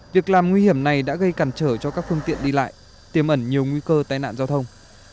việc làm nguy hiểm này đã gây cản trở cho các phương tiện đi lại tiêm ẩn nhiều nguy cơ tai nạn giao thông